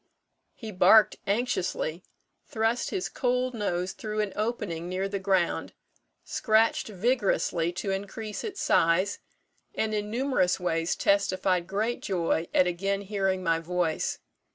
He barked anxiously, thrust his cold nose through an opening near the ground, scratched vigorously to increase its size, and in numerous ways testified great joy at again hearing my voice.